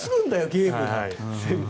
ゲームが。